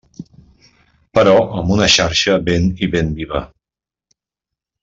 Però amb una xarxa ben i ben viva.